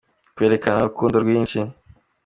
twerekana urukundo rwinshi.